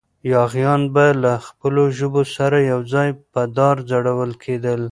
یاغیان به له خپلو ژبو سره یو ځای په دار ځړول کېدل.